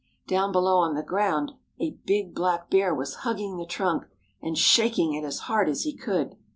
Down below on the ground a big black bear was hugging the trunk and shaking it as hard as he could.